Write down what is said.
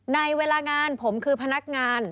ในเวลางานผมคือพนักงาน